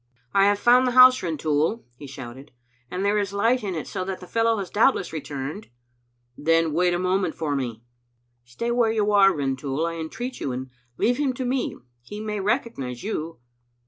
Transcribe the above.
" I have found the house, Rintoul," he shouted, "and there is a light in it, so that the fellow has doubtless returned. " "Then wait a moment for me." "Stay where you are, Rintoul, I entreat you, and leave him to me. He may recognize you."